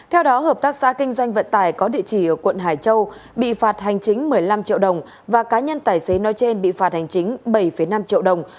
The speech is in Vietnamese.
theo đó hợp tác xã kinh doanh vận tải có địa chỉ ở quận hải châu bị phạt hành chính một mươi năm triệu đồng và cá nhân tài xế nói trên bị phạt hành chính bảy năm triệu đồng